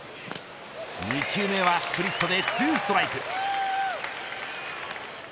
２球目はスプリットで２ストライク。